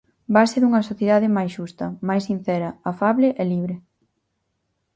Base dunha sociedade máis xusta, máis sincera, afable e libre.